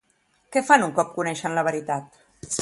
Què fan un cop coneixen la veritat?